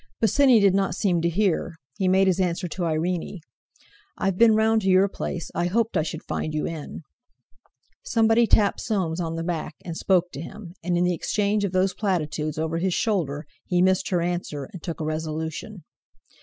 Bosinney did not seem to hear; he made his answer to Irene: "I've been round to your place; I hoped I should find you in." Somebody tapped Soames on the back, and spoke to him; and in the exchange of those platitudes over his shoulder, he missed her answer, and took a resolution.